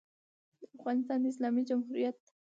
د افغانستان د اسلامي جمهوریت